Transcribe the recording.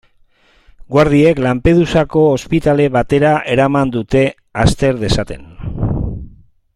Guardiek Lampedusako ospitale batera eraman dute, azter dezaten.